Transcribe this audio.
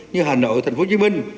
như hà nội tp hcm